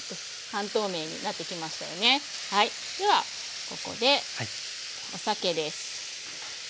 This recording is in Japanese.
ではここでお酒です。